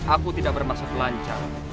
aku tidak bermasuk lancang